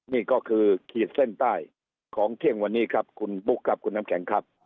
นี่ก็คือขีดเส้นใต้ของเที่ยงวันนี้ครับคุณบุ๊คครับคุณน้ำแข็งครับ